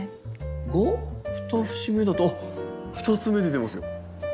が２節目だと２つ芽出てますよ。